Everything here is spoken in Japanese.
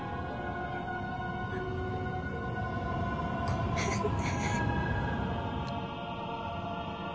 ごめんね。